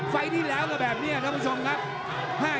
ไฟที่แล้วก็แบบนี้หลังกันนักผู้ชมครับ